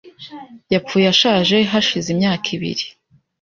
Yapfuye ashaje hashize imyaka ibiri .